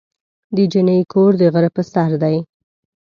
د جینۍ کور د غره په سر دی.